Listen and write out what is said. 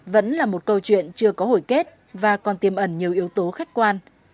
vẫn là một câu chuyện chưa có hồi kết và còn tiêm ẩn nhiều yếu tố khách quan